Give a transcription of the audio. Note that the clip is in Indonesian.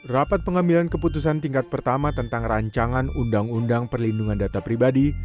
rapat pengambilan keputusan tingkat pertama tentang rancangan undang undang perlindungan data pribadi